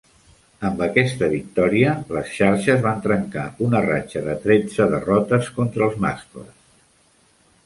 Amb aquesta victòria, les xarxes van trencar una ratxa de tretze derrotes contra els mascles.